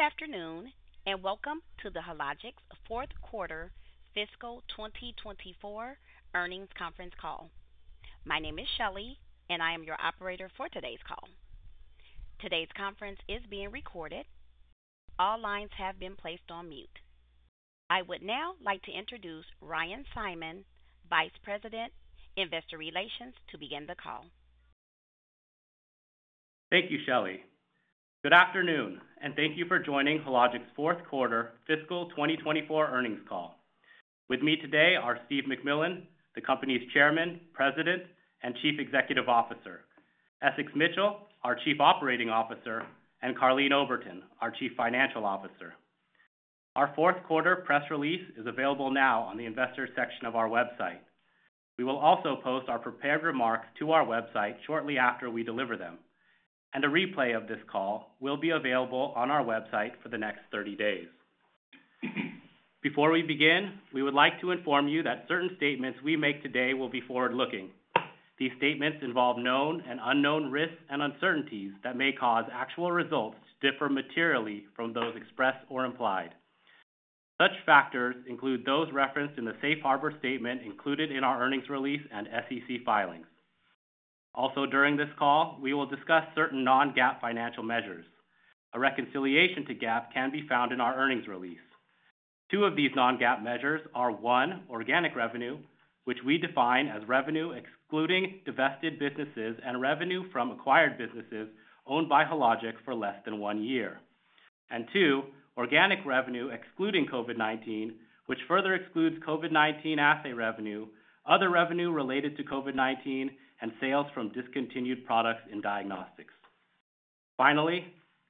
Good afternoon and welcome to Hologic's fourth quarter fiscal 2024 earnings conference call. My name is Shelley, and I am your operator for today's call. Today's conference is being recorded. All lines have been placed on mute. I would now like to introduce Ryan Simon, Vice President, Investor Relations, to begin the call. Thank you, Shelley. Good afternoon, and thank you for joining Hologic's fourth quarter fiscal 2024 earnings call. With me today are Stephen MacMillan, the company's Chairman, President, and Chief Executive Officer, Essex Mitchell, our Chief Operating Officer, and Karleen Oberton, our Chief Financial Officer. Our fourth quarter press release is available now on the Investor section of our website. We will also post our prepared remarks to our website shortly after we deliver them, and a replay of this call will be available on our website for the next 30 days. Before we begin, we would like to inform you that certain statements we make today will be forward-looking. These statements involve known and unknown risks and uncertainties that may cause actual results to differ materially from those expressed or implied. Such factors include those referenced in the Safe Harbor Statement included in our earnings release and SEC filings. Also, during this call, we will discuss certain non-GAAP financial measures. A reconciliation to GAAP can be found in our earnings release. Two of these non-GAAP measures are: one, organic revenue, which we define as revenue excluding divested businesses and revenue from acquired businesses owned by Hologic for less than one year, and two, organic revenue excluding COVID-19, which further excludes COVID-19 assay revenue, other revenue related to COVID-19, and sales from discontinued products and diagnostics. Finally,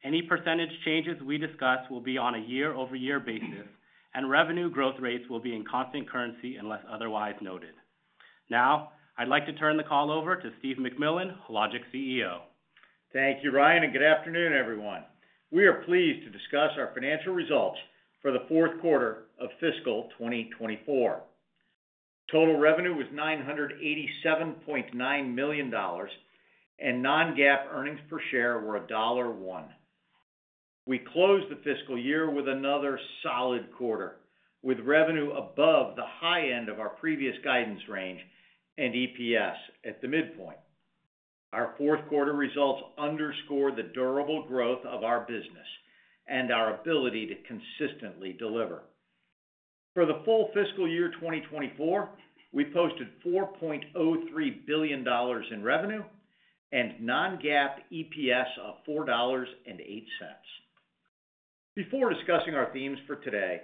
any percentage changes we discuss will be on a year-over-year basis, and revenue growth rates will be in constant currency unless otherwise noted. Now, I'd like to turn the call over to Stephen MacMillan, Hologic CEO. Thank you, Ryan, and good afternoon, everyone. We are pleased to discuss our financial results for the fourth quarter of fiscal 2024. Total revenue was $987.9 million, and non-GAAP earnings per share were $1.01. We closed the fiscal year with another solid quarter, with revenue above the high end of our previous guidance range and EPS at the midpoint. Our fourth quarter results underscore the durable growth of our business and our ability to consistently deliver. For the full fiscal year 2024, we posted $4.03 billion in revenue and non-GAAP EPS of $4.08. Before discussing our themes for today,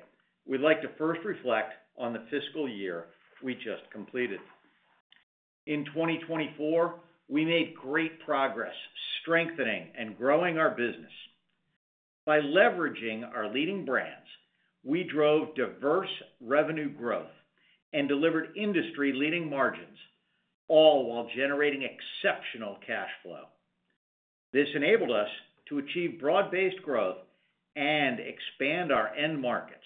we'd like to first reflect on the fiscal year we just completed. In 2024, we made great progress strengthening and growing our business. By leveraging our leading brands, we drove diverse revenue growth and delivered industry-leading margins, all while generating exceptional cash flow. This enabled us to achieve broad-based growth and expand our end markets,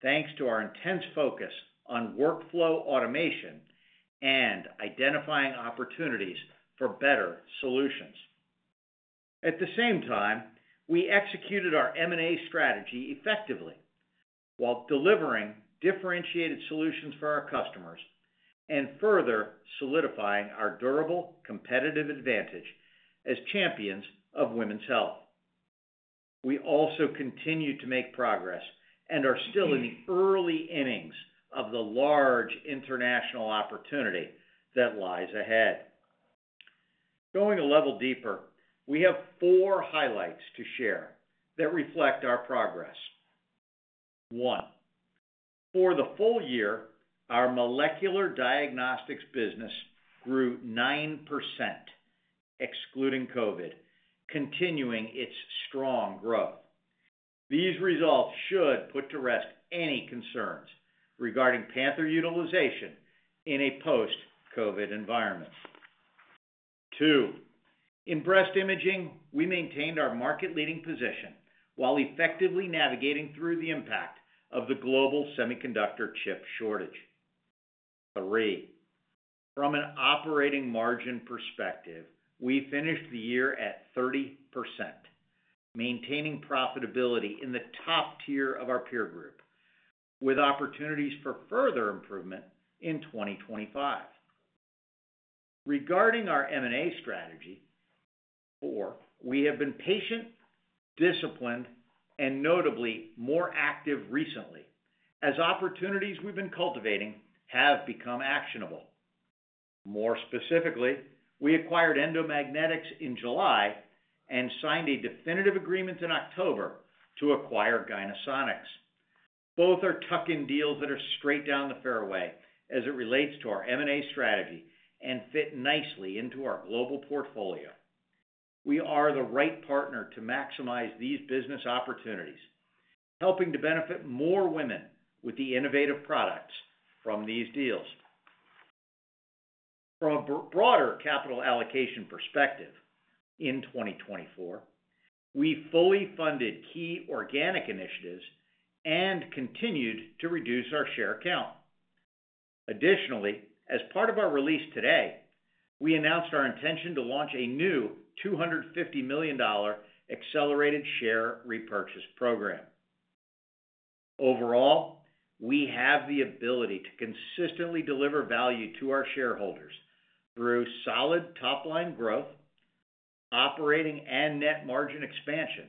thanks to our intense focus on workflow automation and identifying opportunities for better solutions. At the same time, we executed our M&A strategy effectively while delivering differentiated solutions for our customers and further solidifying our durable competitive advantage as champions of women's health. We also continue to make progress and are still in the early innings of the large international opportunity that lies ahead. Going a level deeper, we have four highlights to share that reflect our progress. One, for the full year, our molecular diagnostics business grew 9%, excluding COVID, continuing its strong growth. These results should put to rest any concerns regarding Panther utilization in a post-COVID environment. Two, in breast imaging, we maintained our market-leading position while effectively navigating through the impact of the global semiconductor chip shortage. Three, from an operating margin perspective, we finished the year at 30%, maintaining profitability in the top tier of our peer group, with opportunities for further improvement in 2025. Regarding our M&A strategy, four, we have been patient, disciplined, and notably more active recently, as opportunities we've been cultivating have become actionable. More specifically, we acquired Endomagnetics in July and signed a definitive agreement in October to acquire Gynosonics. Both are tuck-in deals that are straight down the fairway as it relates to our M&A strategy and fit nicely into our global portfolio. We are the right partner to maximize these business opportunities, helping to benefit more women with the innovative products from these deals. From a broader capital allocation perspective, in 2024, we fully funded key organic initiatives and continued to reduce our share count. Additionally, as part of our release today, we announced our intention to launch a new $250 million accelerated share repurchase program. Overall, we have the ability to consistently deliver value to our shareholders through solid top-line growth, operating and net margin expansion,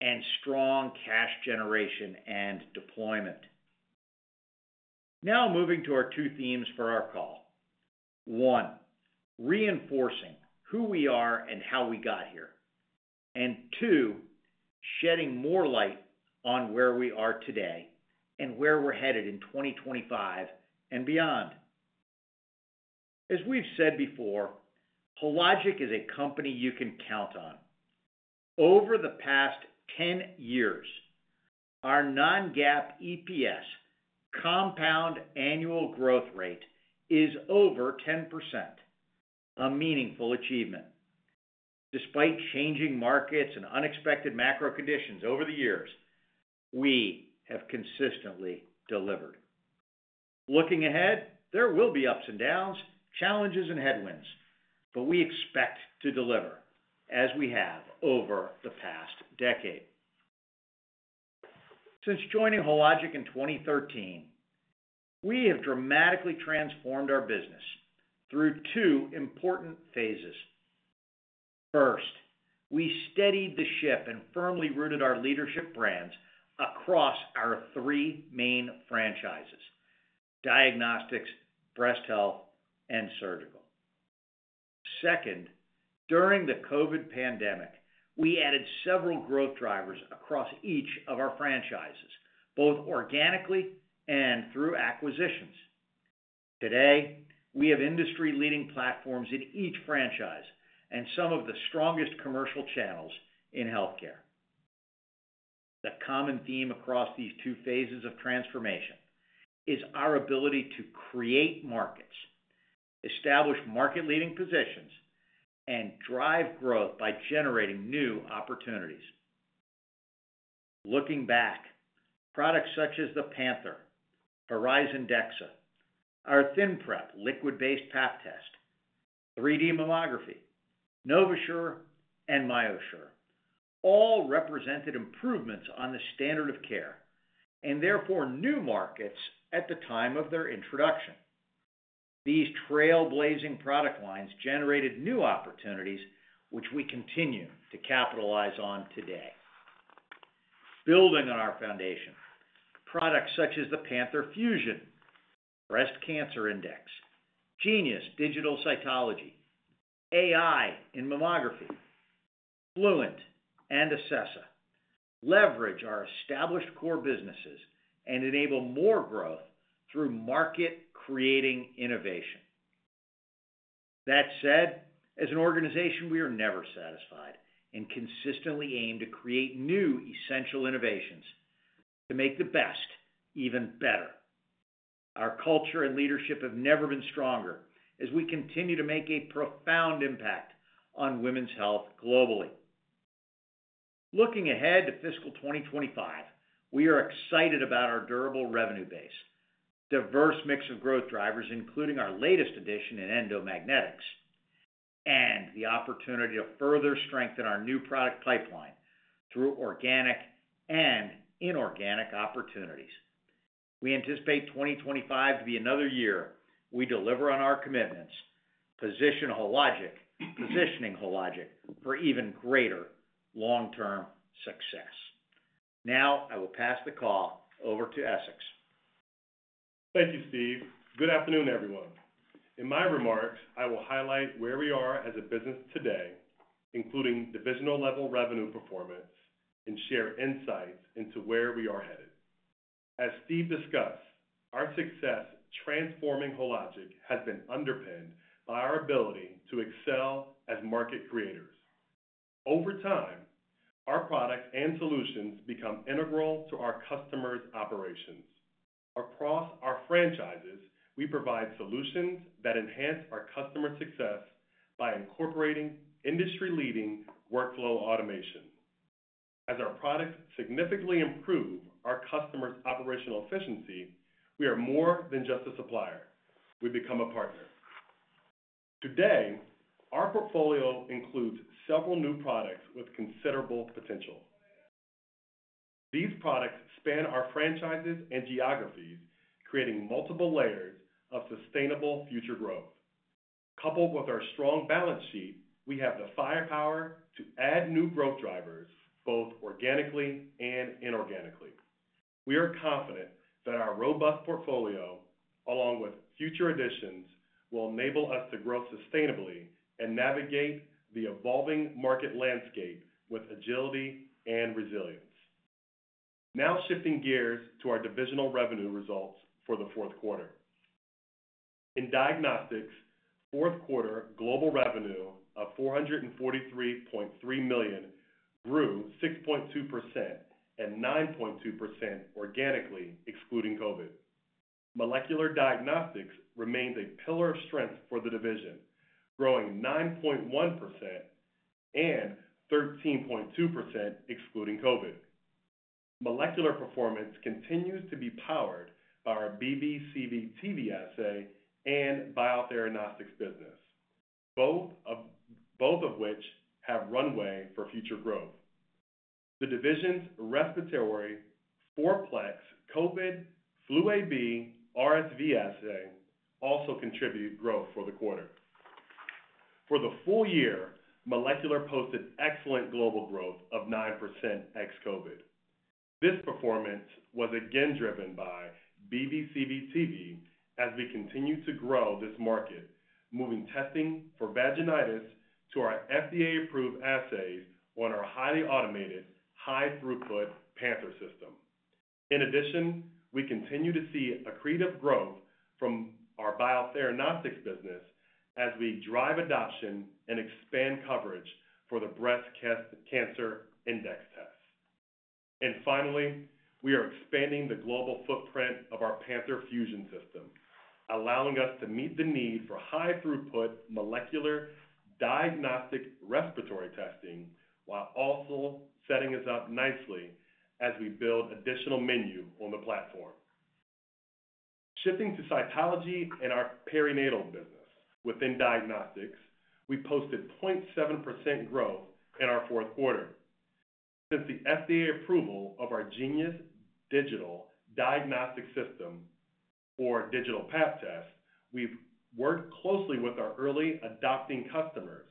and strong cash generation and deployment. Now, moving to our two themes for our call. One, reinforcing who we are and how we got here. And two, shedding more light on where we are today and where we're headed in 2025 and beyond. As we've said before, Hologic is a company you can count on. Over the past 10 years, our non-GAAP EPS compound annual growth rate is over 10%, a meaningful achievement. Despite changing markets and unexpected macro conditions over the years, we have consistently delivered. Looking ahead, there will be ups and downs, challenges, and headwinds, but we expect to deliver as we have over the past decade. Since joining Hologic in 2013, we have dramatically transformed our business through two important phases. First, we steadied the ship and firmly rooted our leadership brands across our three main franchises: diagnostics, breast health, and surgical. Second, during the COVID pandemic, we added several growth drivers across each of our franchises, both organically and through acquisitions. Today, we have industry-leading platforms in each franchise and some of the strongest commercial channels in healthcare. The common theme across these two phases of transformation is our ability to create markets, establish market-leading positions, and drive growth by generating new opportunities. Looking back, products such as the Panther, Horizon DXA, our ThinPrep liquid-based Pap test, 3D mammography, NovaSure, and MyoSure all represented improvements on the standard of care and therefore new markets at the time of their introduction. These trailblazing product lines generated new opportunities, which we continue to capitalize on today. Building on our foundation, products such as the Panther Fusion, Breast Cancer Index, Genius Digital Cytology, AI in Mammography, Fluent, and Acessa leverage our established core businesses and enable more growth through market-creating innovation. That said, as an organization, we are never satisfied and consistently aim to create new essential innovations to make the best even better. Our culture and leadership have never been stronger as we continue to make a profound impact on women's health globally. Looking ahead to fiscal 2025, we are excited about our durable revenue base, diverse mix of growth drivers, including our latest addition in Endomagnetics, and the opportunity to further strengthen our new product pipeline through organic and inorganic opportunities. We anticipate 2025 to be another year we deliver on our commitments, positioning Hologic for even greater long-term success. Now, I will pass the call over to Essex. Thank you, Steve. Good afternoon, everyone. In my remarks, I will highlight where we are as a business today, including divisional-level revenue performance, and share insights into where we are headed. As Steve discussed, our success transforming Hologic has been underpinned by our ability to excel as market creators. Over time, our products and solutions become integral to our customers' operations. Across our franchises, we provide solutions that enhance our customer success by incorporating industry-leading workflow automation. As our products significantly improve our customers' operational efficiency, we are more than just a supplier. We become a partner. Today, our portfolio includes several new products with considerable potential. These products span our franchises and geographies, creating multiple layers of sustainable future growth. Coupled with our strong balance sheet, we have the firepower to add new growth drivers both organically and inorganically. We are confident that our robust portfolio, along with future additions, will enable us to grow sustainably and navigate the evolving market landscape with agility and resilience. Now, shifting gears to our divisional revenue results for the fourth quarter. In diagnostics, fourth quarter global revenue of $443.3 million grew 6.2% and 9.2% organically, excluding COVID. Molecular diagnostics remains a pillar of strength for the division, growing 9.1% and 13.2%, excluding COVID. Molecular performance continues to be powered by our BV/CV/TV Assay and Biotheranostics business, both of which have runway for future growth. The division's Respiratory Four-Plex COVID, Flu A/B, RSV assay also contribute growth for the quarter. For the full year, Molecular posted excellent global growth of 9% ex-COVID. This performance was again driven by BV/CV/TV as we continue to grow this market, moving testing for vaginitis to our FDA-approved assays on our highly automated, high-throughput Panther System. In addition, we continue to see accretive growth from our Biotheranostics business as we drive adoption and expand coverage for the Breast Cancer Index tests. And finally, we are expanding the global footprint of our Panther Fusion system, allowing us to meet the need for high-throughput molecular diagnostic respiratory testing while also setting us up nicely as we build additional menu on the platform. Shifting to cytology in our perinatal business, within diagnostics, we posted 0.7% growth in our fourth quarter. Since the FDA approval of our Genius Digital Cytology for digital Pap test, we've worked closely with our early adopting customers,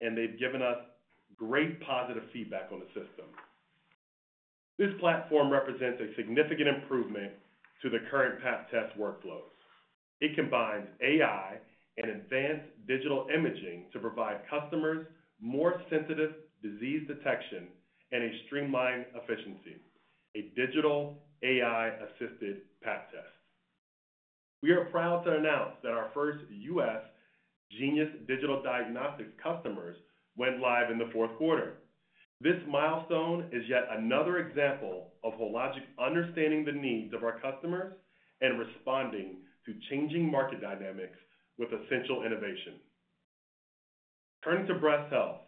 and they've given us great positive feedback on the system. This platform represents a significant improvement to the current Pap test workflows. It combines AI and advanced digital imaging to provide customers more sensitive disease detection and a streamlined efficiency, a digital AI-assisted Pap test. We are proud to announce that our first U.S. Genius Digital Diagnostics customers went live in the fourth quarter. This milestone is yet another example of Hologic understanding the needs of our customers and responding to changing market dynamics with essential innovation. Turning to breast health,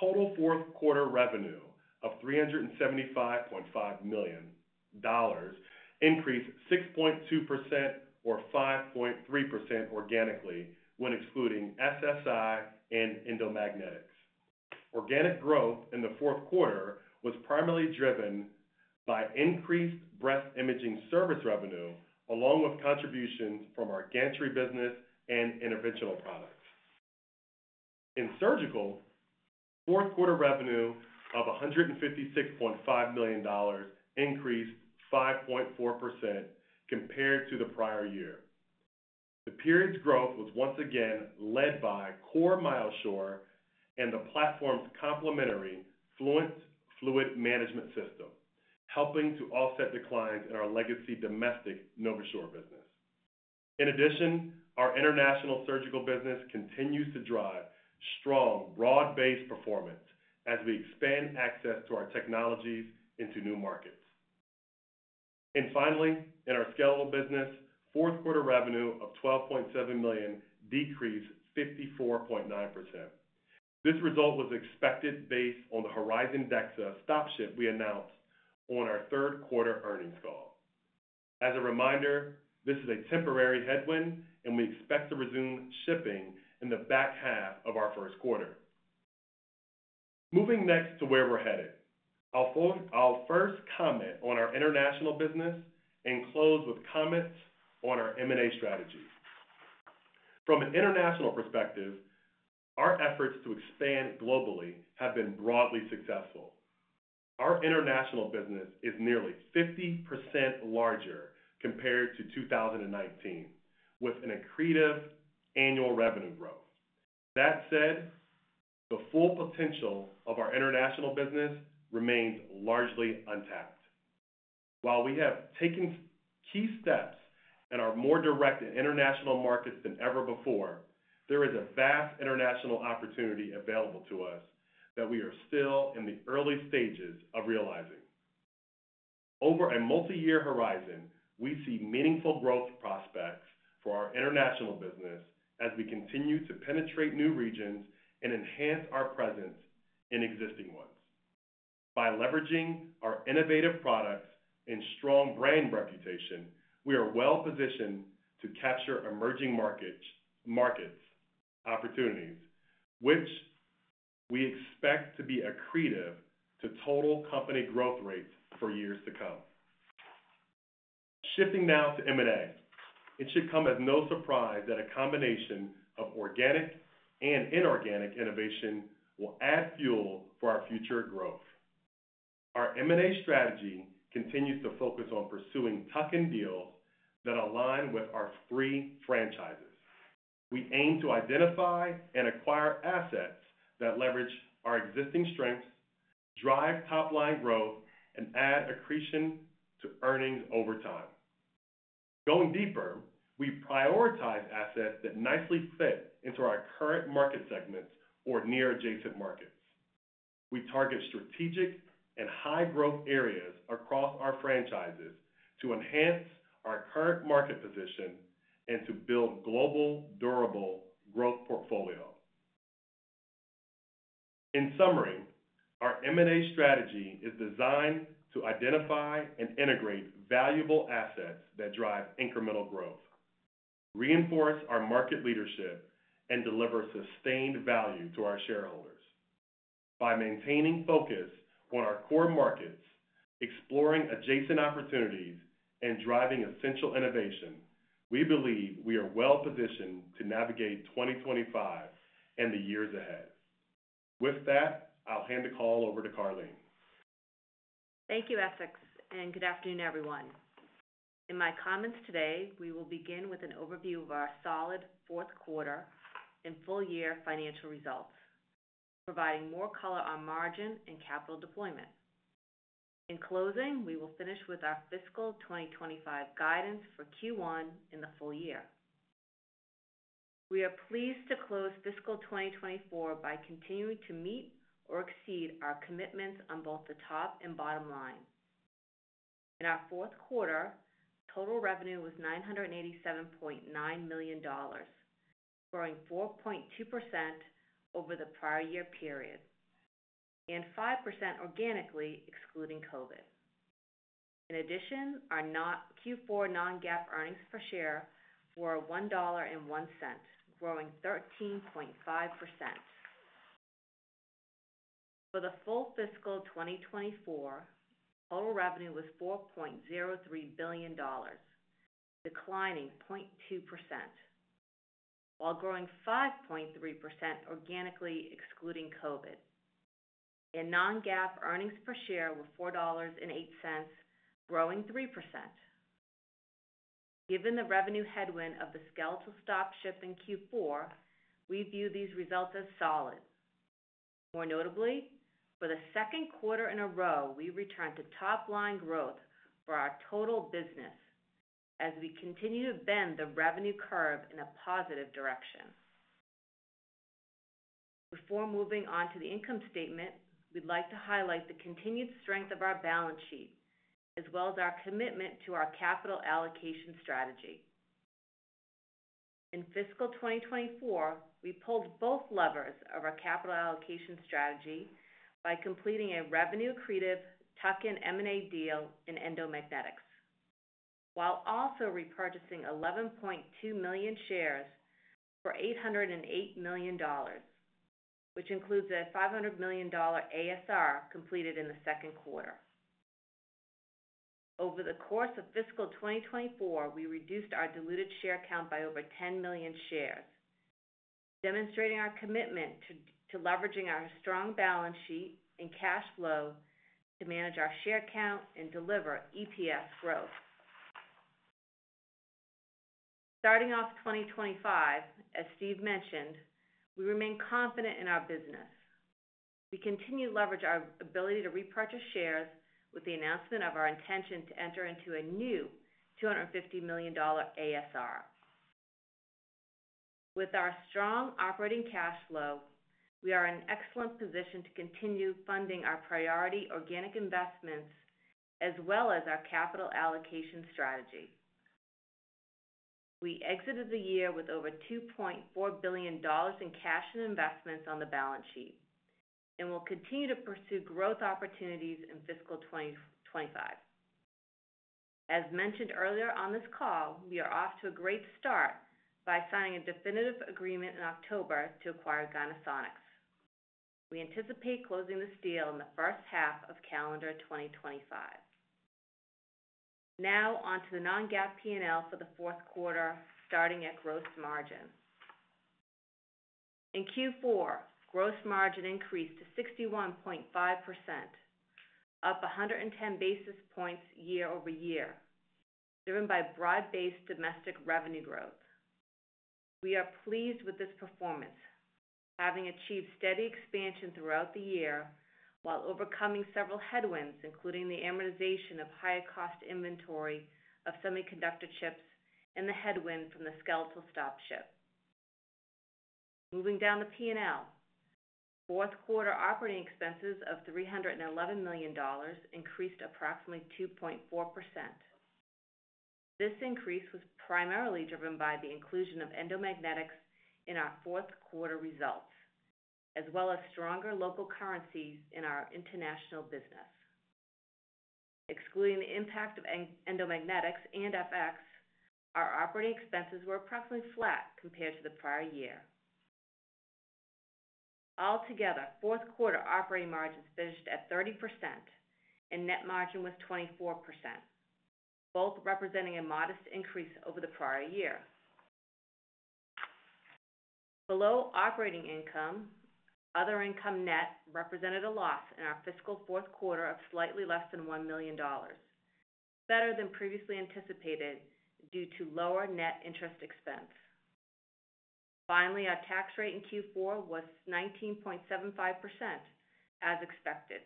total fourth quarter revenue of $375.5 million increased 6.2% or 5.3% organically when excluding SSI and Endomagnetics. Organic growth in the fourth quarter was primarily driven by increased breast imaging service revenue, along with contributions from our gantry business and interventional products. In surgical, fourth quarter revenue of $156.5 million increased 5.4% compared to the prior year. The period's growth was once again led by core MyoSure and the platform's complementary Fluent Fluid Management System, helping to offset declines in our legacy domestic NovaSure business. In addition, our international surgical business continues to drive strong broad-based performance as we expand access to our technologies into new markets. And finally, in our skeletal business, fourth quarter revenue of $12.7 million decreased 54.9%. This result was expected based on the Horizon DXA stop-ship we announced on our third quarter earnings call. As a reminder, this is a temporary headwind, and we expect to resume shipping in the back half of our first quarter. Moving next to where we're headed, I'll first comment on our international business and close with comments on our M&A strategy. From an international perspective, our efforts to expand globally have been broadly successful. Our international business is nearly 50% larger compared to 2019, with an accretive annual revenue growth. That said, the full potential of our international business remains largely untapped. While we have taken key steps and are more direct in international markets than ever before, there is a vast international opportunity available to us that we are still in the early stages of realizing. Over a multi-year horizon, we see meaningful growth prospects for our international business as we continue to penetrate new regions and enhance our presence in existing ones. By leveraging our innovative products and strong brand reputation, we are well positioned to capture emerging market opportunities, which we expect to be accretive to total company growth rates for years to come. Shifting now to M&A, it should come as no surprise that a combination of organic and inorganic innovation will add fuel for our future growth. Our M&A strategy continues to focus on pursuing tuck-in deals that align with our three franchises. We aim to identify and acquire assets that leverage our existing strengths, drive top-line growth, and add accretion to earnings over time. Going deeper, we prioritize assets that nicely fit into our current market segments or near-adjacent markets. We target strategic and high-growth areas across our franchises to enhance our current market position and to build global durable growth portfolio. In summary, our M&A strategy is designed to identify and integrate valuable assets that drive incremental growth, reinforce our market leadership, and deliver sustained value to our shareholders. By maintaining focus on our core markets, exploring adjacent opportunities, and driving essential innovation, we believe we are well positioned to navigate 2025 and the years ahead. With that, I'll hand the call over to Karleen. Thank you, Essex, and good afternoon, everyone. In my comments today, we will begin with an overview of our solid fourth quarter and full-year financial results, providing more color on margin and capital deployment. In closing, we will finish with our fiscal 2025 guidance for Q1 and the full year. We are pleased to close fiscal 2024 by continuing to meet or exceed our commitments on both the top and bottom line. In our fourth quarter, total revenue was $987.9 million, growing 4.2% over the prior year period and 5% organically, excluding COVID. In addition, our Q4 non-GAAP earnings per share were $1.01, growing 13.5%. For the full fiscal 2024, total revenue was $4.03 billion, declining 0.2%, while growing 5.3% organically, excluding COVID, and non-GAAP earnings per share were $4.08, growing 3%. Given the revenue headwind of the skeletal stop-ship in Q4, we view these results as solid. More notably, for the second quarter in a row, we returned to top-line growth for our total business as we continue to bend the revenue curve in a positive direction. Before moving on to the income statement, we'd like to highlight the continued strength of our balance sheet, as well as our commitment to our capital allocation strategy. In fiscal 2024, we pulled both levers of our capital allocation strategy by completing a revenue-accretive tuck-in M&A deal in Endomagnetics, while also repurchasing 11.2 million shares for $808 million, which includes a $500 million ASR completed in the second quarter. Over the course of fiscal 2024, we reduced our diluted share count by over 10 million shares, demonstrating our commitment to leveraging our strong balance sheet and cash flow to manage our share count and deliver EPS growth. Starting off 2025, as Steve mentioned, we remain confident in our business. We continue to leverage our ability to repurchase shares with the announcement of our intention to enter into a new $250 million ASR. With our strong operating cash flow, we are in an excellent position to continue funding our priority organic investments as well as our capital allocation strategy. We exited the year with over $2.4 billion in cash and investments on the balance sheet and will continue to pursue growth opportunities in fiscal 2025. As mentioned earlier on this call, we are off to a great start by signing a definitive agreement in October to acquire Gynosonics. We anticipate closing the deal in the first half of calendar 2025. Now, on to the non-GAAP P&L for the fourth quarter, starting at gross margin. In Q4, gross margin increased to 61.5%, up 110 basis points year over year, driven by broad-based domestic revenue growth. We are pleased with this performance, having achieved steady expansion throughout the year while overcoming several headwinds, including the amortization of higher-cost inventory of semiconductor chips and the headwind from the skeletal stopship. Moving down the P&L, fourth quarter operating expenses of $311 million increased approximately 2.4%. This increase was primarily driven by the inclusion of Endomagnetics in our fourth quarter results, as well as stronger local currencies in our international business. Excluding the impact of Endomagnetics and FX, our operating expenses were approximately flat compared to the prior year. Altogether, fourth quarter operating margins finished at 30%, and net margin was 24%, both representing a modest increase over the prior year. Below operating income, other income net represented a loss in our fiscal fourth quarter of slightly less than $1 million, better than previously anticipated due to lower net interest expense. Finally, our tax rate in Q4 was 19.75%, as expected.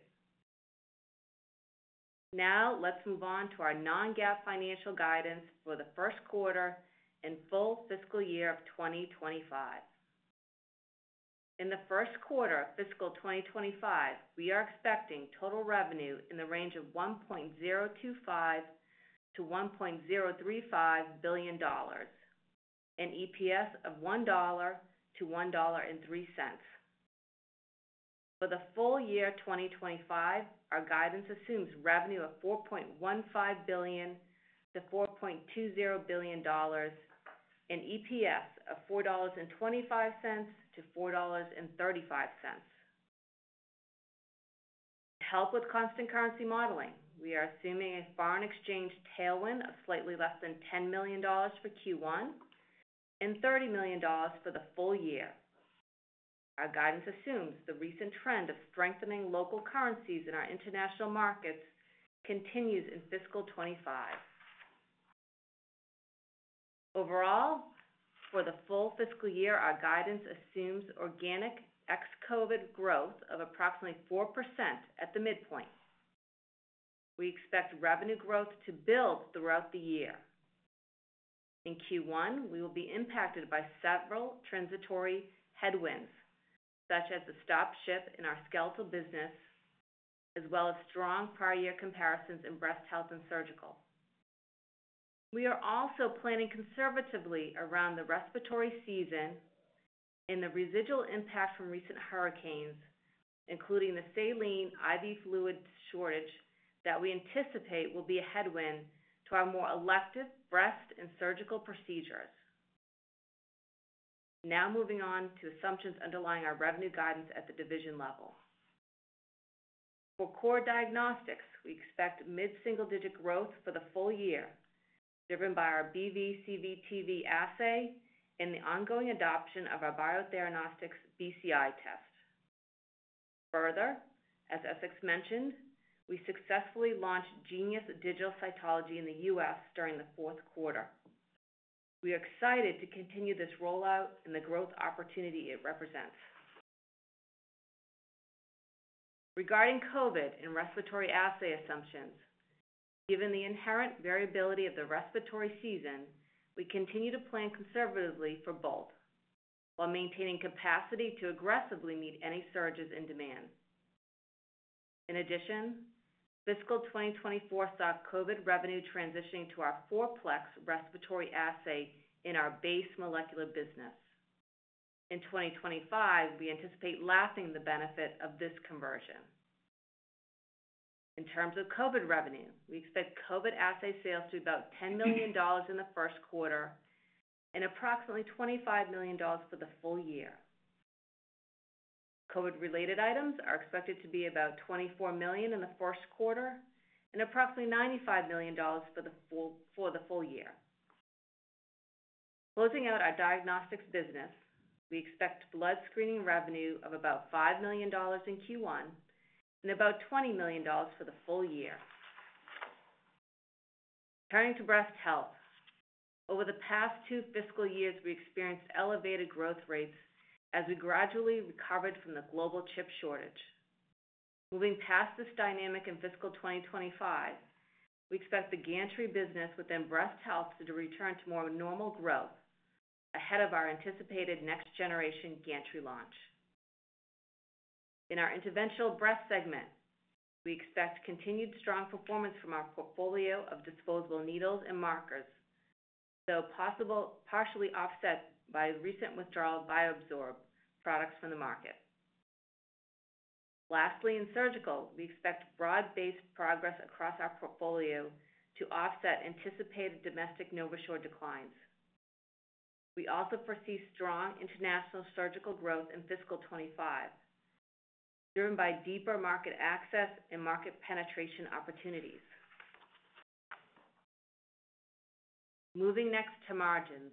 Now, let's move on to our non-GAAP financial guidance for the first quarter and full fiscal year of 2025. In the first quarter of fiscal 2025, we are expecting total revenue in the range of $1.025 billion-$1.035 billion and EPS of $1.01-$1.03. For the full year 2025, our guidance assumes revenue of $4.15 billion-$4.20 billion and EPS of $4.25-$4.35. To help with constant currency modeling, we are assuming a foreign exchange tailwind of slightly less than $10 million for Q1 and $30 million for the full year. Our guidance assumes the recent trend of strengthening local currencies in our international markets continues in fiscal 25. Overall, for the full fiscal year, our guidance assumes organic ex-COVID growth of approximately 4% at the midpoint. We expect revenue growth to build throughout the year. In Q1, we will be impacted by several transitory headwinds, such as the stop-ship in our skeletal business, as well as strong prior-year comparisons in breast health and surgical. We are also planning conservatively around the respiratory season and the residual impact from recent hurricanes, including the saline IV fluid shortage that we anticipate will be a headwind to our more elective breast and surgical procedures. Now, moving on to assumptions underlying our revenue guidance at the division level. For core diagnostics, we expect mid-single-digit growth for the full year, driven by our BV/CV/TV assay and the ongoing adoption of our Biotheranostics BCI test. Further, as Essex mentioned, we successfully launched Genius Digital Cytology in the U.S. during the fourth quarter. We are excited to continue this rollout and the growth opportunity it represents. Regarding COVID and respiratory assay assumptions, given the inherent variability of the respiratory season, we continue to plan conservatively for both while maintaining capacity to aggressively meet any surges in demand. In addition, fiscal 2024 saw COVID revenue transitioning to our four-plex respiratory assay in our base molecular business. In 2025, we anticipate lapping the benefit of this conversion. In terms of COVID revenue, we expect COVID assay sales to be about $10 million in the first quarter and approximately $25 million for the full year. COVID-related items are expected to be about $24 million in the first quarter and approximately $95 million for the full year. Closing out our diagnostics business, we expect blood screening revenue of about $5 million in Q1 and about $20 million for the full year. Turning to breast health, over the past two fiscal years, we experienced elevated growth rates as we gradually recovered from the global chip shortage. Moving past this dynamic in fiscal 2025, we expect the gantry business within breast health to return to more normal growth ahead of our anticipated next-generation gantry launch. In our interventional breast segment, we expect continued strong performance from our portfolio of disposable needles and markers, though possibly partially offset by recent withdrawal of BioZorb products from the market. Lastly, in surgical, we expect broad-based progress across our portfolio to offset anticipated domestic NovaSure declines. We also foresee strong international surgical growth in fiscal 25, driven by deeper market access and market penetration opportunities. Moving next to margins,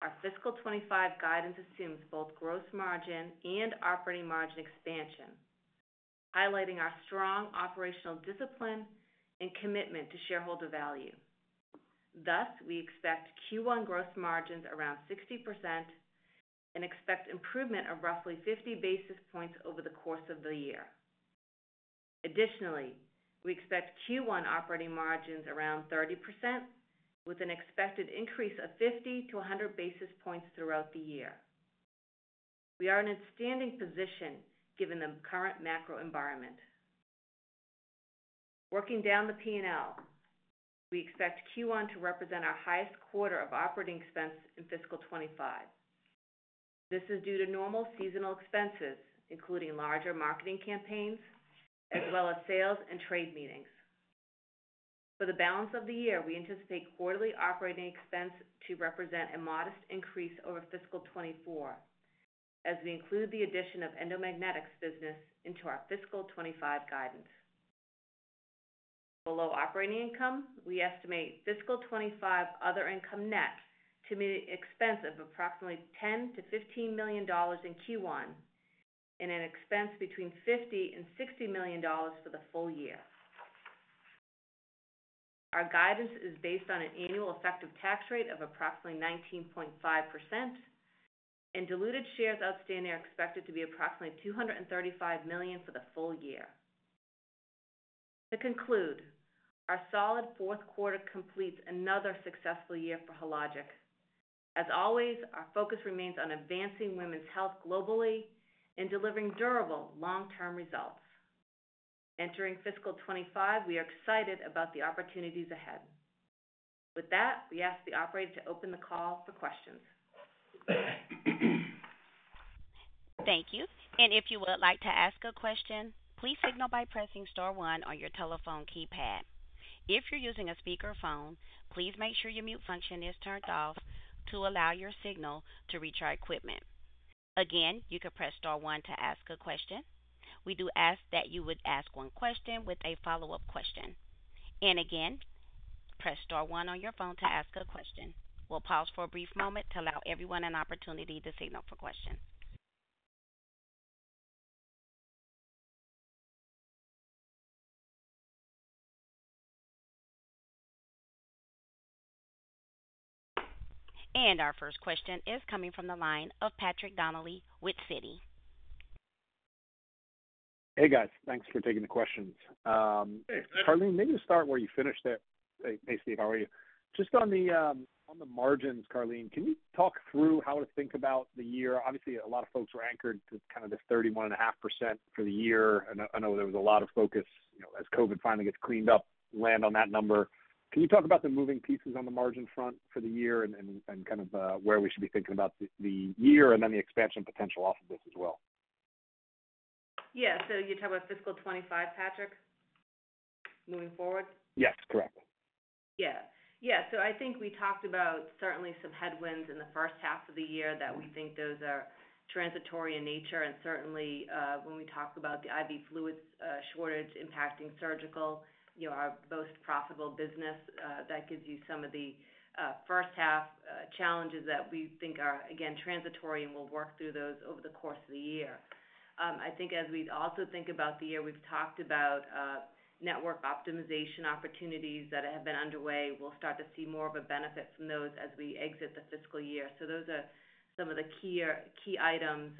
our fiscal 25 guidance assumes both gross margin and operating margin expansion, highlighting our strong operational discipline and commitment to shareholder value. Thus, we expect Q1 gross margins around 60% and expect improvement of roughly 50 basis points over the course of the year. Additionally, we expect Q1 operating margins around 30%, with an expected increase of 50 to 100 basis points throughout the year. We are in an outstanding position given the current macro environment. Working down the P&L, we expect Q1 to represent our highest quarter of operating expense in fiscal 2025. This is due to normal seasonal expenses, including larger marketing campaigns, as well as sales and trade meetings. For the balance of the year, we anticipate quarterly operating expense to represent a modest increase over fiscal 2024, as we include the addition of Endomagnetics business into our fiscal 2025 guidance. Below operating income, we estimate fiscal 25 other income net to be an expense of approximately $10-$15 million in Q1 and an expense between $50 and $60 million for the full year. Our guidance is based on an annual effective tax rate of approximately 19.5%, and diluted shares outstanding are expected to be approximately 235 million for the full year. To conclude, our solid fourth quarter completes another successful year for Hologic. As always, our focus remains on advancing women's health globally and delivering durable long-term results. Entering fiscal 25, we are excited about the opportunities ahead. With that, we ask the operator to open the call for questions. Thank you. And if you would like to ask a question, please signal by pressing Star 1 on your telephone keypad. If you're using a speakerphone, please make sure your mute function is turned off to allow your signal to reach our equipment. Again, you can press Star 1 to ask a question. We do ask that you would ask one question with a follow-up question. And again, press Star 1 on your phone to ask a question. We'll pause for a brief moment to allow everyone an opportunity to signal for questions. And our first question is coming from the line of Patrick Donnelly with Citi. Hey, guys. Thanks for taking the questions. Karleen, maybe you'll start where you finished at. Hey, Steve, how are you? Just on the margins, Karleen, can you talk through how to think about the year? Obviously, a lot of folks were anchored to kind of this 31.5% for the year. I know there was a lot of focus as COVID finally gets cleaned up, land on that number. Can you talk about the moving pieces on the margin front for the year and kind of where we should be thinking about the year and then the expansion potential off of this as well? Yeah. So you're talking about fiscal 2025, Patrick, moving forward? Yes, correct. Yeah. Yeah. So I think we talked about certainly some headwinds in the first half of the year that we think those are transitory in nature. And certainly, when we talked about the IV fluid shortage impacting surgical, our most profitable business, that gives you some of the first-half challenges that we think are, again, transitory, and we'll work through those over the course of the year. I think as we also think about the year, we've talked about network optimization opportunities that have been underway. We'll start to see more of a benefit from those as we exit the fiscal year. So those are some of the key items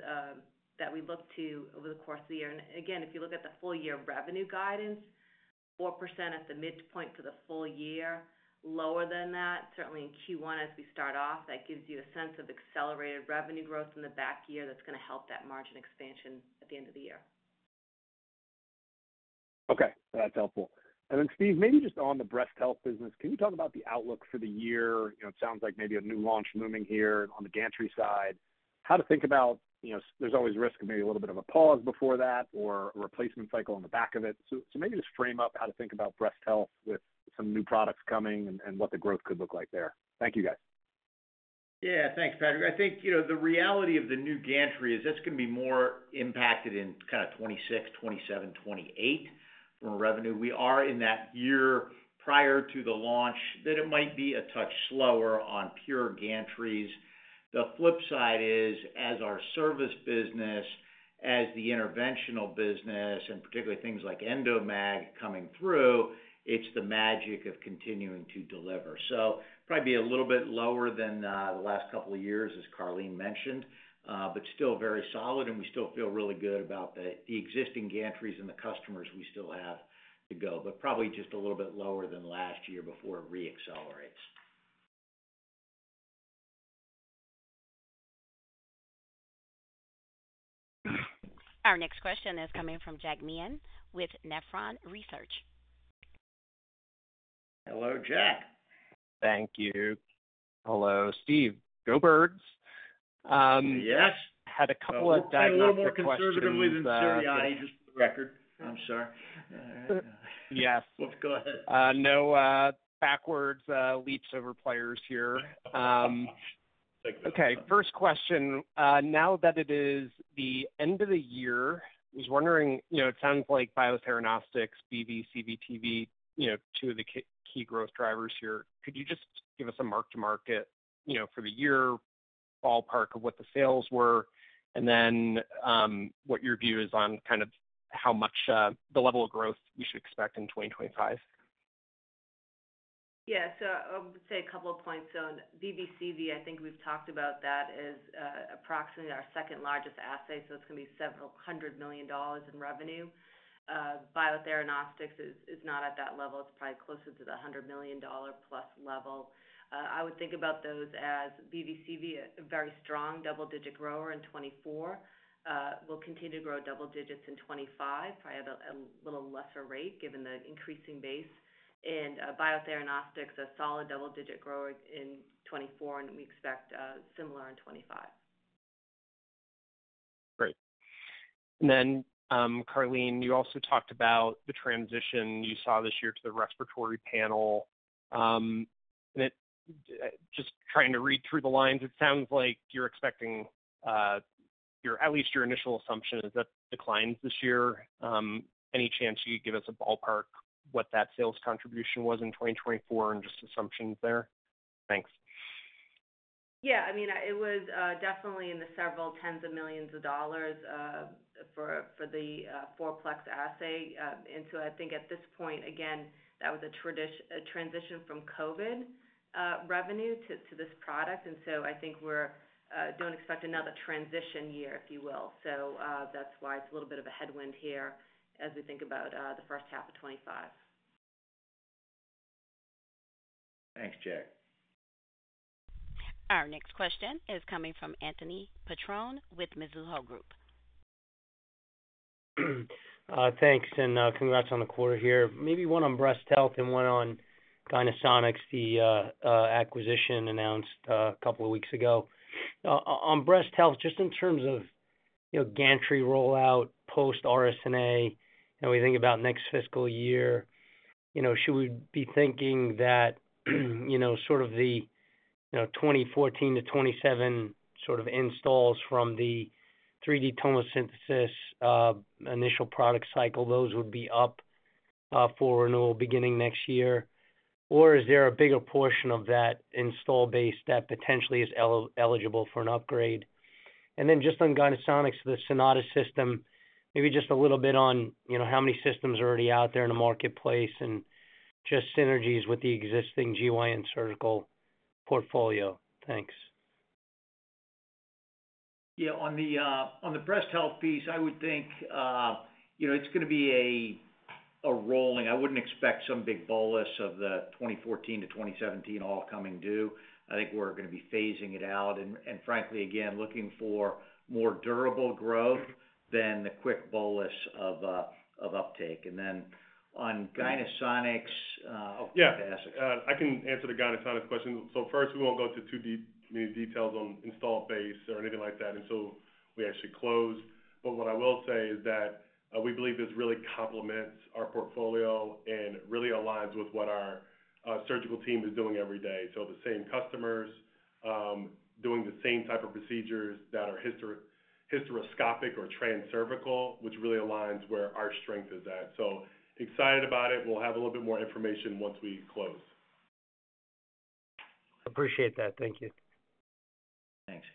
that we look to over the course of the year. And again, if you look at the full-year revenue guidance, 4% at the midpoint for the full year. Lower than that, certainly in Q1 as we start off, that gives you a sense of accelerated revenue growth in the back year that's going to help that margin expansion at the end of the year. Okay. That's helpful. And then, Steve, maybe just on the breast health business, can you talk about the outlook for the year? It sounds like maybe a new launch looming here on the gantry side. How to think about there's always risk of maybe a little bit of a pause before that or a replacement cycle on the back of it. So maybe just frame up how to think about breast health with some new products coming and what the growth could look like there. Thank you, guys. Yeah. Thanks, Patrick. I think the reality of the new gantry is that's going to be more impacted in kind of 2026, 2027, 2028 from revenue. We are in that year prior to the launch that it might be a touch slower on pure gantries. The flip side is, as our service business, as the interventional business, and particularly things like Endomag coming through, it's the magic of continuing to deliver. So probably be a little bit lower than the last couple of years, as Karleen mentioned, but still very solid. And we still feel really good about the existing gantries and the customers we still have to go, but probably just a little bit lower than last year before it re-accelerates. Our next question is coming from Jack Meehan with Nephron Research. Hello, Jack. Thank you. Hello, Stephen. Go ahead. Yes. Had a couple of diagnostic questions. A little more conservatively than Citi, just for the record. I'm sorry. Yes. Go ahead. Now backwards leaps over players here. Okay. First question. Now that it is the end of the year, I was wondering, it sounds like Biotheranostics, BV/CV/TV, two of the key growth drivers here. Could you just give us a mark-to-market for the year, ballpark of what the sales were, and then what your view is on kind of how much the level of growth we should expect in 2025? Yeah. So I would say a couple of points. So BVCV, I think we've talked about that as approximately our second largest assay. So it's going to be several hundred million dollars in revenue. Biotheranostics is not at that level. It's probably closer to the $100 million plus level. I would think about those as BVCV, a very strong double-digit grower in 2024. We'll continue to grow double digits in 2025, probably at a little lesser rate given the increasing base. And Biotheranostics, a solid double-digit grower in 2024, and we expect similar in 2025. Great. And then, Karleen, you also talked about the transition you saw this year to the respiratory panel. Just trying to read through the lines, it sounds like you're expecting at least your initial assumption is that declines this year. Any chance you could give us a ballpark what that sales contribution was in 2024 and just assumptions there? Thanks. Yeah. I mean, it was definitely in the several tens of millions of dollars for the four-plex assay. And so I think at this point, again, that was a transition from COVID revenue to this product. And so I think we don't expect another transition year, if you will. So that's why it's a little bit of a headwind here as we think about the first half of 2025. Thanks, Jack. Our next question is coming from Anthony Petrone with Mizuho Group. Thanks. And congrats on the quarter here. Maybe one on breast health and one on Gynosonics, the acquisition announced a couple of weeks ago. On breast health, just in terms of gantry rollout post-RSNA, we think about next fiscal year. Should we be thinking that sort of the 2014 to 2027 sort of installs from the 3D tomosynthesis initial product cycle, those would be up for renewal beginning next year? Or is there a bigger portion of that install base that potentially is eligible for an upgrade? And then just on Gynosonics, the Sonata system, maybe just a little bit on how many systems are already out there in the marketplace and just synergies with the existing GYN surgical portfolio. Thanks. Yeah. On the breast health piece, I would think it's going to be a rolling. I wouldn't expect some big bolus of the 2014 to 2017 all coming due. I think we're going to be phasing it out and, frankly, again, looking for more durable growth than the quick bolus of uptake. And then on Gynosonics. Yeah. I can answer the Gynosonics question. So first, we won't go into too many details on install base or anything like that until we actually close. But what I will say is that we believe this really complements our portfolio and really aligns with what our surgical team is doing every day. So the same customers doing the same type of procedures that are hysteroscopic or transcervical, which really aligns where our strength is at. So excited about it. We'll have a little bit more information once we close. Appreciate that. Thank you. Thanks.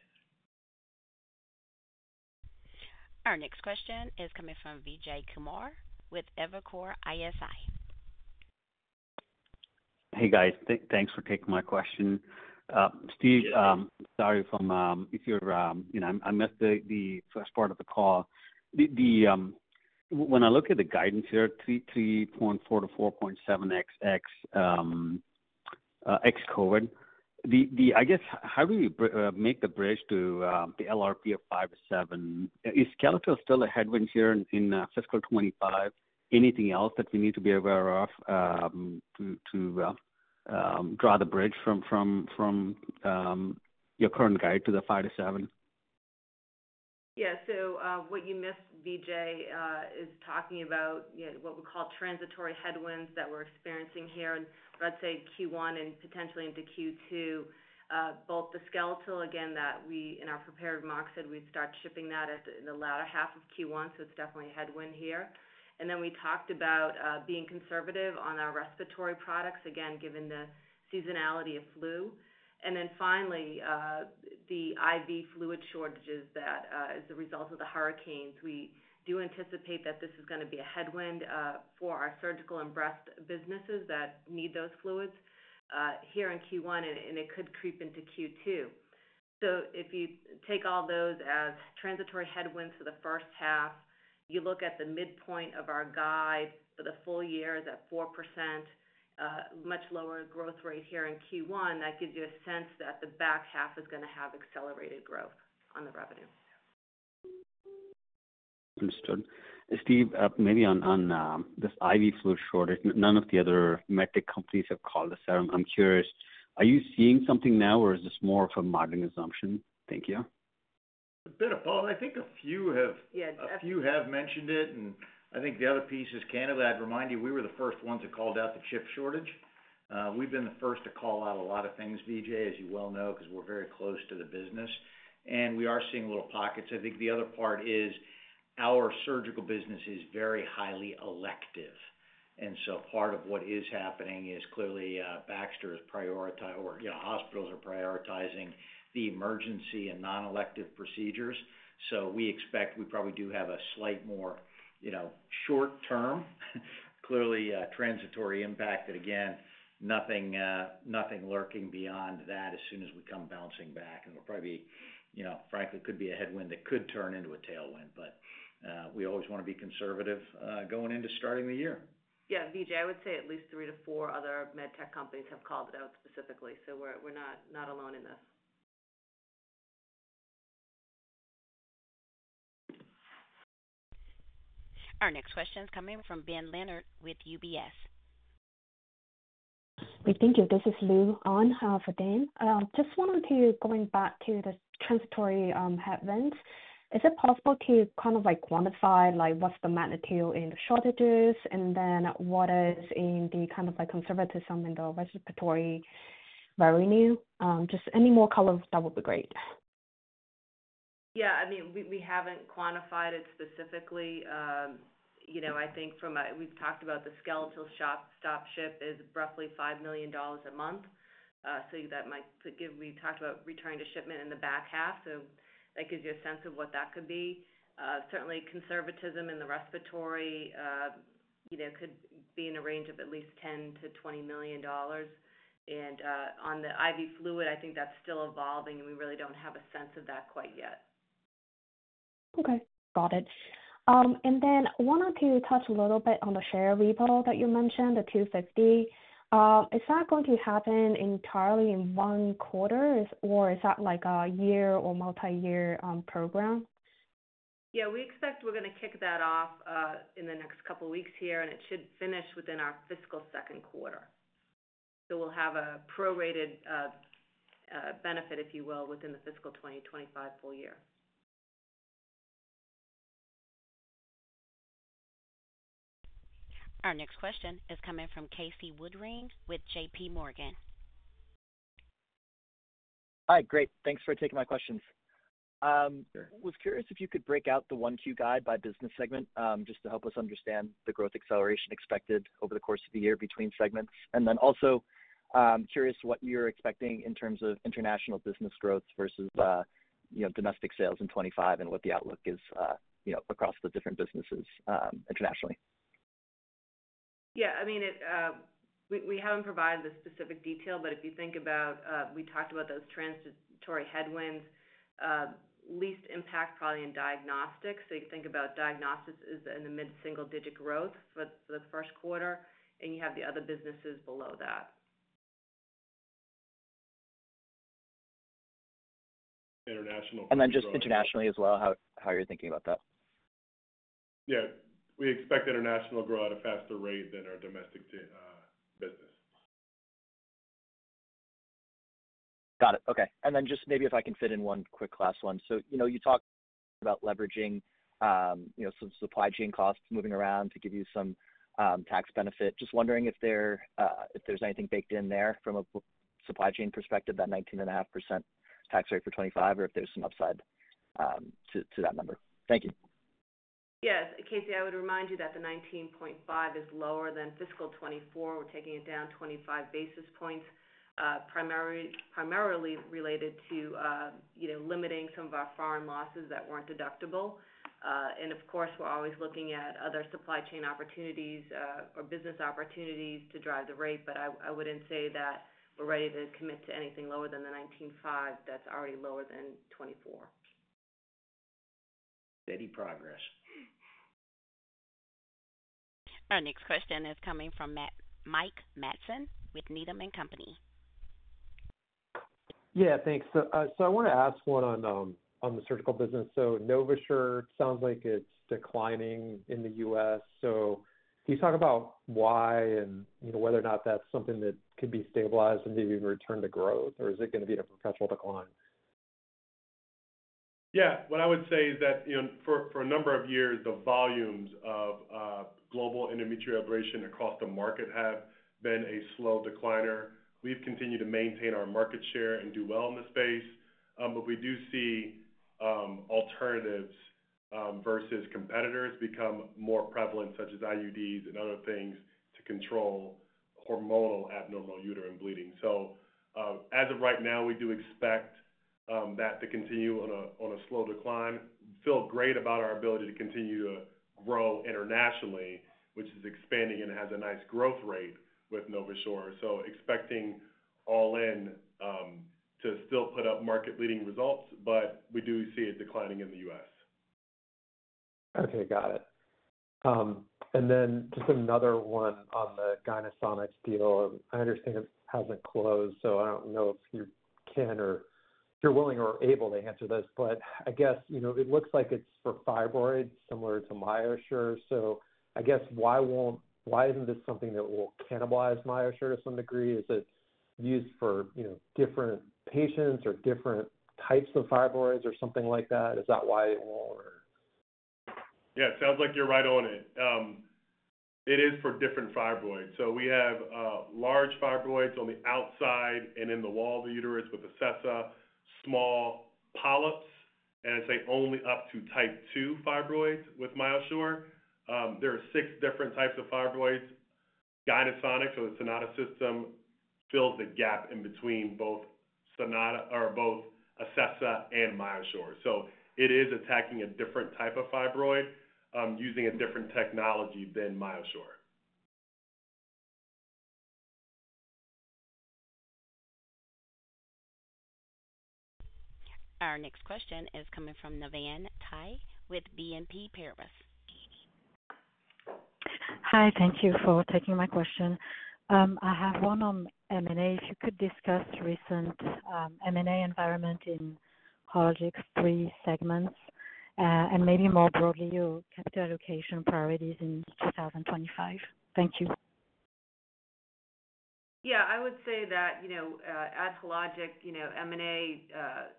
Our next question is coming from Vijay Kumar with Evercore ISI. Hey, guys. Thanks for taking my question. Steve, sorry if I missed the first part of the call. When I look at the guidance here, 3.4%-4.7%, ex-COVID, I guess, how do you make the bridge to the LRP of 5%-7%? Is Skeletal still a headwind here in fiscal 2025? Anything else that we need to be aware of to draw the bridge from your current guide to the 5 to 7? Yeah. So what you missed, Vijay, is talking about what we call transitory headwinds that we're experiencing here in, let's say, Q1 and potentially into Q2. Both the Skeletal, again, that we in our prepared remarks said we'd start shipping that in the latter half of Q1. So it's definitely a headwind here. And then we talked about being conservative on our respiratory products, again, given the seasonality of flu. And then finally, the IV fluid shortages that is the result of the hurricanes. We do anticipate that this is going to be a headwind for our surgical and breast businesses that need those fluids here in Q1, and it could creep into Q2.So if you take all those as transitory headwinds for the first half, you look at the midpoint of our guide for the full year is at 4%, much lower growth rate here in Q1. That gives you a sense that the back half is going to have accelerated growth on the revenue. Understood. Stephen, maybe on this IV fluid shortage, none of the other med tech companies have called us out. I'm curious, are you seeing something now, or is this more of a margin assumption? Thank you. A bit of both. I think a few have mentioned it. And I think the other piece is candidly, I'd remind you, we were the first ones that called out the chip shortage. We've been the first to call out a lot of things, Vijay, as you well know, because we're very close to the business. And we are seeing little pockets. I think the other part is our surgical business is very highly elective. And so part of what is happening is clearly Baxter is prioritizing or hospitals are prioritizing the emergency and non-elective procedures. So we expect we probably do have a slight more short-term, clearly transitory impact that, again, nothing lurking beyond that as soon as we come bouncing back. And it'll probably, frankly, could be a headwind that could turn into a tailwind. But we always want to be conservative going into starting the year. Yeah. Vijay, I would say at least three to four other med tech companies have called it out specifically. So we're not alone in this. Our next question is coming from Ben Leonard with UBS. Hey, thank you. This is Louis on for Ben. Just wanted to go back to the transitory headwinds. Is it possible to kind of quantify what's the magnitude in the shortages and then what is in the kind of conservative assumption in the respiratory revenue? Just any more call, that would be great. Yeah. I mean, we haven't quantified it specifically. I think from what we've talked about the Skeletal Health stop-ship is roughly $5 million a month. So that might give you a sense of what that could be. We talked about returning to shipment in the back half. Certainly, conservatism in the respiratory could be in a range of at least $10-$20 million. And on the IV fluid, I think that's still evolving, and we really don't have a sense of that quite yet. Okay. Got it. And then I wanted to touch a little bit on the share repo that you mentioned, the 250. Is that going to happen entirely in one quarter, or is that a year or multi-year program? Yeah. We expect we're going to kick that off in the next couple of weeks here, and it should finish within our fiscal second quarter. So we'll have a prorated benefit, if you will, within the fiscal 2025 full year. Our next question is coming from Casey Woodring with J.P. Morgan. Hi. Great. Thanks for taking my questions. I was curious if you could break out the Q1 guide by business segment just to help us understand the growth acceleration expected over the course of the year between segments. And then also curious what you're expecting in terms of international business growth versus domestic sales in 2025 and what the outlook is across the different businesses internationally. Yeah. I mean, we haven't provided the specific detail, but if you think about we talked about those transitory headwinds, least impact probably in diagnostics. So you think about diagnostics as in the mid-single-digit growth for the first quarter, and you have the other businesses below that. International. And then just internationally as well, how are you thinking about that? Yeah. We expect international to grow at a faster rate than our domestic business. Got it. Okay. And then just maybe if I can fit in one quick last one. So you talked about leveraging some supply chain costs moving around to give you some tax benefit. Just wondering if there's anything baked in there from a supply chain perspective, that 19.5% tax rate for 2025, or if there's some upside to that number. Thank you. Yes. Casey, I would remind you that the 19.5% is lower than fiscal 2024. We're taking it down 25 basis points, primarily related to limiting some of our foreign losses that weren't deductible. And of course, we're always looking at other supply chain opportunities or business opportunities to drive the rate. But I wouldn't say that we're ready to commit to anything lower than the 19.5 that's already lower than 2024. Steady progress. Our next question is coming from Mike Matson with Needham & Company. Yeah. Thanks. So I want to ask one on the surgical business. So NovaSure sounds like it's declining in the U.S. So can you talk about why and whether or not that's something that could be stabilized and even return to growth, or is it going to be a perpetual decline? Yeah. What I would say is that for a number of years, the volumes of global endometrial ablation across the market have been a slow decliner. We've continued to maintain our market share and do well in the space. But we do see alternatives versus competitors become more prevalent, such as IUDs and other things to control hormonal abnormal uterine bleeding. So as of right now, we do expect that to continue on a slow decline. We feel great about our ability to continue to grow internationally, which is expanding and has a nice growth rate with NovaSure. So expecting all in to still put up market-leading results, but we do see it declining in the U.S. Okay. Got it. And then just another one on the Gynosonics deal. I understand it hasn't closed, so I don't know if you can or if you're willing or able to answer this. But I guess it looks like it's for fibroids, similar to MyoSure. So I guess why isn't this something that will cannibalize MyoSure to some degree? Is it used for different patients or different types of fibroids or something like that? Is that why it won't? Yeah. It sounds like you're right on it. It is for different fibroids. So we have large fibroids on the outside and in the wall of the uterus with the Acessa, small polyps, and I'd say only up to type 2 fibroids with MyoSure. There are six different types of fibroids. Gynosonics, or the Sonata System, fills the gap in between both Acessa and MyoSure. So it is attacking a different type of fibroid using a different technology than MyoSure. Our next question is coming from Navann Ty with BNP Paribas. Hi. Thank you for taking my question. I have one on M&A. If you could discuss recent M&A environment in Hologic's three segments and maybe more broadly your capital allocation priorities in 2025. Thank you. Yeah. I would say that at Hologic, M&A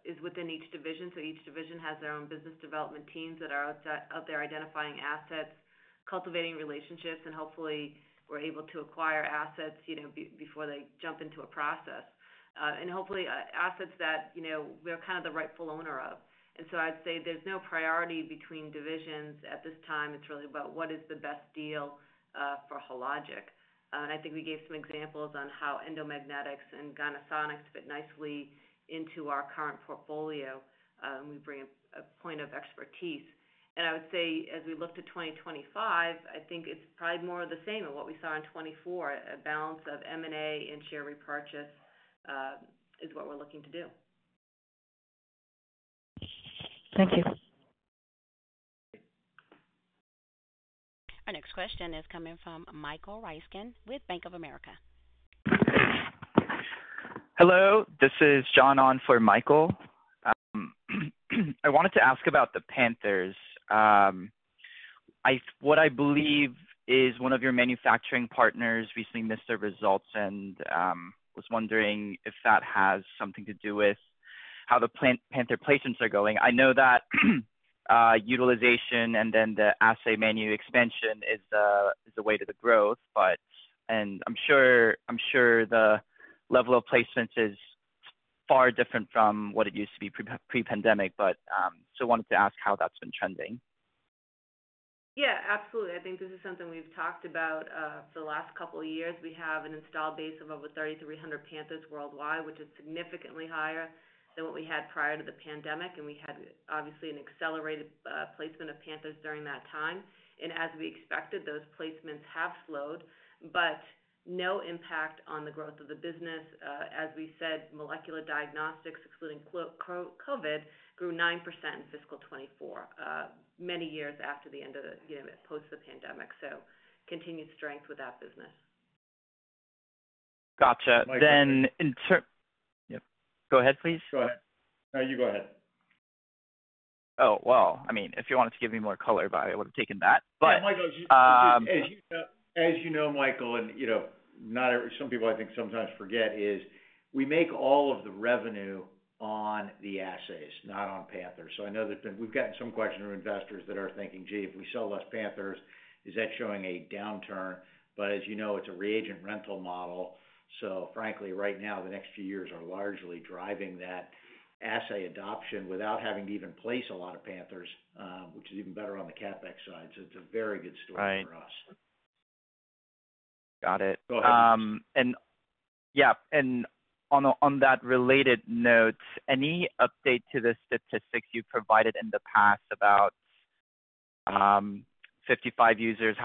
is within each division. So each division has their own business development teams that are out there identifying assets, cultivating relationships, and hopefully, we're able to acquire assets before they jump into a process. And hopefully, assets that we're kind of the rightful owner of. And so I'd say there's no priority between divisions at this time. It's really about what is the best deal for Hologic. And I think we gave some examples on how Endomagnetics and Gynosonics fit nicely into our current portfolio. We bring a point of expertise. And I would say as we look to 2025, I think it's probably more of the same than what we saw in 2024. A balance of M&A and share repurchase is what we're looking to do. Thank you. Our next question is coming from Michael Ryskin with Bank of America. Hello. This is John on for Michael. I wanted to ask about the Panthers. What I believe is one of your manufacturing partners recently missed their results and was wondering if that has something to do with how the Panther placements are going. I know that utilization and then the assay menu expansion is the way to the growth, but I'm sure the level of placements is far different from what it used to be pre-pandemic. But so I wanted to ask how that's been trending. Yeah. Absolutely. I think this is something we've talked about for the last couple of years. We have an installed base of over 3,300 Panthers worldwide, which is significantly higher than what we had prior to the pandemic. And we had, obviously, an accelerated placement of Panthers during that time. As we expected those placements have slowed, but no impact on the growth of the business. As we said, molecular diagnostics, excluding COVID, grew 9% in fiscal 2024, many years after the end of the post-pandemic. Continued strength with that business. Got that. Then in terms yeah. Go ahead, please. Go ahead. No, you go ahead. Oh, wow. I mean, if you wanted to give me more color, I would have taken that. As you know, Michael, and some people I think sometimes forget, is we make all of the revenue on the assays, not on Panthers. I know that we've gotten some questions from investors that are thinking, "Gee, if we sell less Panthers, is that showing a downturn?" As you know, it's a reagent rental model. So frankly, right now, the next few years are largely driving that assay adoption without having to even place a lot of Panthers, which is even better on the CapEx side. So it's a very good story for us. Got it. And yeah. And on that related note, any update to the statistics you provided in the past about 55 users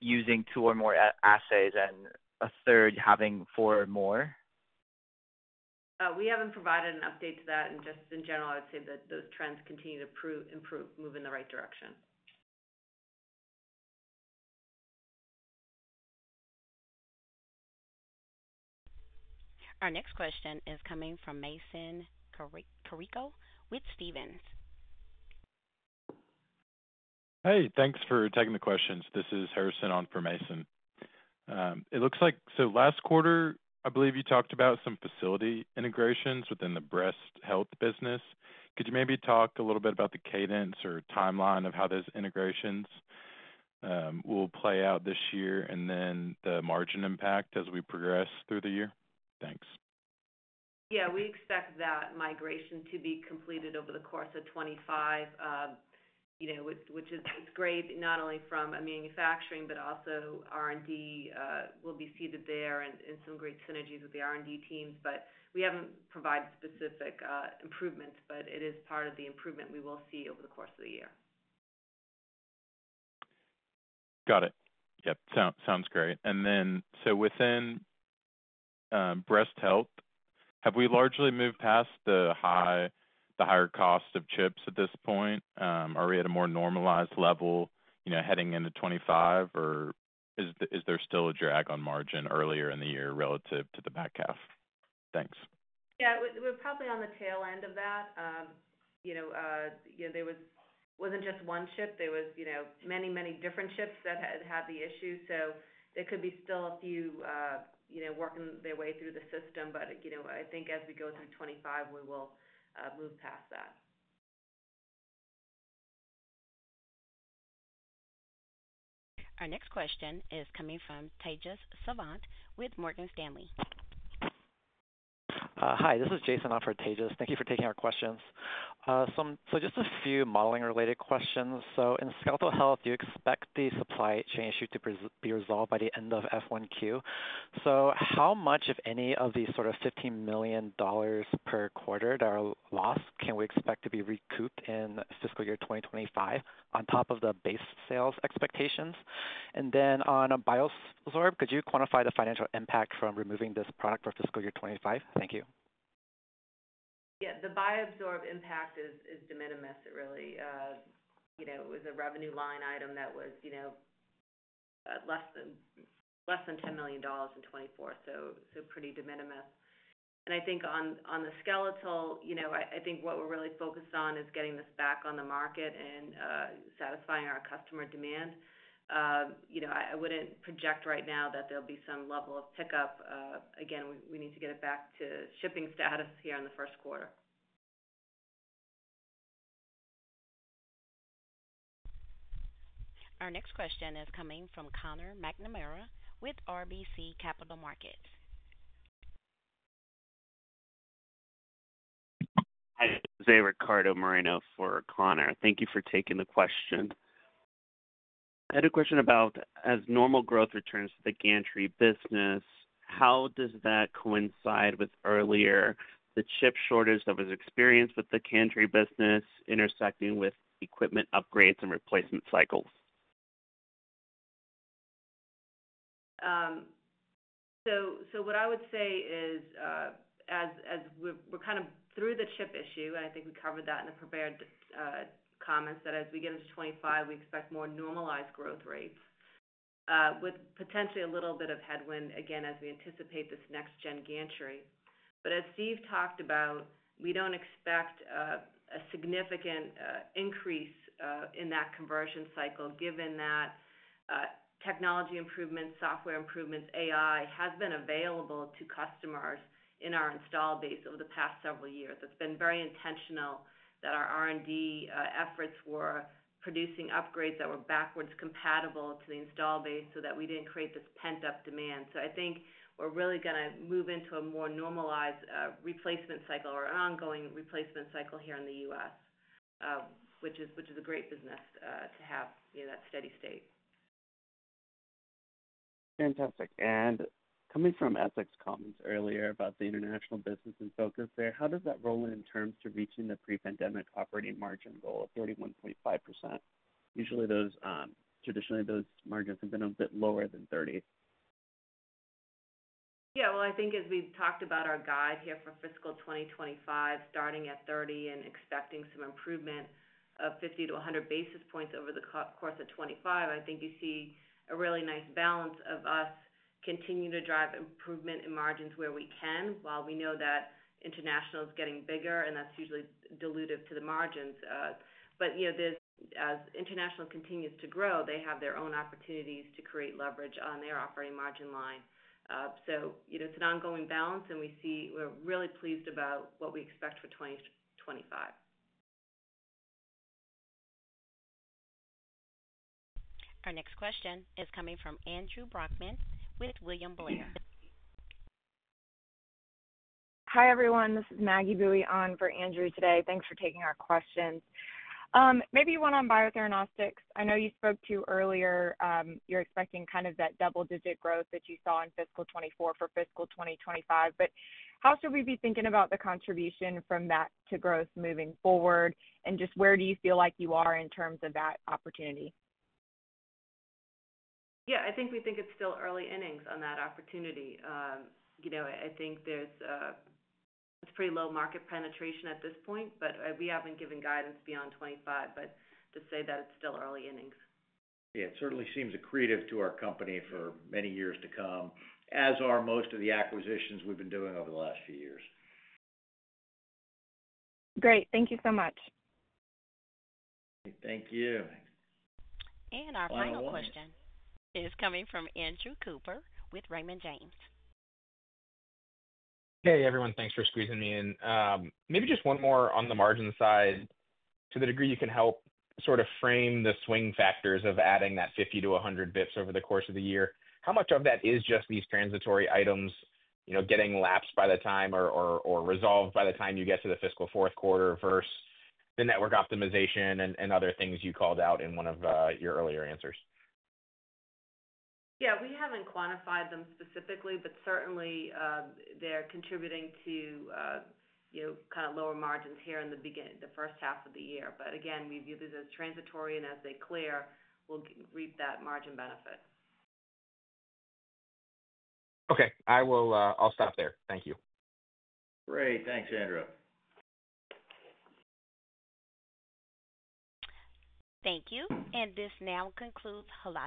using two or more assays and a third having four or more? We haven't provided an update to that. And just in general, I would say that those trends continue to improve, moving in the right direction. Our next question is coming from Mason Carrico with Stephens. Hey. Thanks for taking the questions. This is Harrison on for Mason. It looks like so last quarter, I believe you talked about some facility integrations within the breast health business. Could you maybe talk a little bit about the cadence or timeline of how those integrations will play out this year and then the margin impact as we progress through the year? Thanks. Yeah. We expect that migration to be completed over the course of 2025, which is great not only from a manufacturing but also R&D will be seated there in some great synergies with the R&D teams. But we haven't provided specific improvements, but it is part of the improvement we will see over the course of the year. Got it. Yep. Sounds great. And then so within breast health, have we largely moved past the higher cost of chips at this point? Are we at a more normalized level heading into 2025, or is there still a drag on margin earlier in the year relative to the back half? Thanks. Yeah. We're probably on the tail end of that. There wasn't just one chip. There were many, many different chips that had had the issue. So there could be still a few working their way through the system. But I think as we go through 2025, we will move past that. Our next question is coming from Tejas Savant with Morgan Stanley. Hi. This is Jason on for Tejas. Thank you for taking our questions. So just a few modeling-related questions. So in skeletal health, you expect the supply chain issue to be resolved by the end of F1Q. So how much, if any, of these sort of $15 million per quarter that are lost can we expect to be recouped in fiscal year 2025 on top of the base sales expectations? And then on BioZorb, could you quantify the financial impact from removing this product for fiscal year 2025? Thank you. Yeah. The BioZorb impact is de minimis, really. It was a revenue line item that was less than $10 million in 2024, so pretty de minimis. And I think on the skeletal, I think what we're really focused on is getting this back on the market and satisfying our customer demand. I wouldn't project right now that there'll be some level of pickup. Again, we need to get it back to shipping status here in the first quarter. Our next question is coming from Conor McNamara with RBC Capital Markets. Hi. This is Ricardo Moreno for Conor. Thank you for taking the question. I had a question about, as normal growth returns to the gantry business, how does that coincide with earlier the chip shortage that was experienced with the gantry business intersecting with equipment upgrades and replacement cycles? So what I would say is, as we're kind of through the chip issue, and I think we covered that in the prepared comments, that as we get into 2025, we expect more normalized growth rates with potentially a little bit of headwind, again, as we anticipate this next-gen gantry. But as Steve talked about, we don't expect a significant increase in that conversion cycle given that technology improvements, software improvements, AI have been available to customers in our install base over the past several years. It's been very intentional that our R&D efforts were producing upgrades that were backwards compatible to the install base so that we didn't create this pent-up demand. So I think we're really going to move into a more normalized replacement cycle or an ongoing replacement cycle here in the U.S., which is a great business to have that steady state. Fantastic. Coming from Essex Mitchell earlier about the international business and focus there, how does that roll in terms to reaching the pre-pandemic operating margin goal of 31.5%? Traditionally, those margins have been a bit lower than 30%. Yeah. Well, I think as we've talked about our guide here for fiscal 2025, starting at 30% and expecting some improvement of 50 to 100 basis points over the course of 2025, I think you see a really nice balance of us continuing to drive improvement in margins where we can, while we know that international is getting bigger, and that's usually dilutive to the margins. But as international continues to grow, they have their own opportunities to create leverage on their operating margin line. So it's an ongoing balance, and we're really pleased about what we expect for 2025. Our next question is coming from Andrew Brackmann with William Blair. Hi, everyone. This is Maggie Boeye on for Andrew today. Thanks for taking our questions. Maybe one on Biotheranostics. I know you spoke to earlier you're expecting kind of that double-digit growth that you saw in fiscal 2024 for fiscal 2025. But how should we be thinking about the contribution from that to growth moving forward? And just where do you feel like you are in terms of that opportunity? Yeah. I think we think it's still early innings on that opportunity. I think it's pretty low market penetration at this point, but we haven't given guidance beyond 2025. But to say that it's still early innings. Yeah. It certainly seems accretive to our company for many years to come, as are most of the acquisitions we've been doing over the last few years. Great. Thank you so much. Thank you. And our final question is coming from Andrew Cooper with Raymond James. Hey, everyone. Thanks for squeezing me in. Maybe just one more on the margin side. To the degree you can help sort of frame the swing factors of adding that 50 to 100 basis points over the course of the year, how much of that is just these transitory items getting lapsed by the time or resolved by the time you get to the fiscal fourth quarter versus the network optimization and other things you called out in one of your earlier answers? Yeah. We haven't quantified them specifically, but certainly, they're contributing to kind of lower margins here in the first half of the year. But again, we view these as transitory, and as they clear, we'll reap that margin benefit. Okay. I'll stop there. Thank you. Great. Thanks, Andrew. Thank you. And this now concludes Hologic.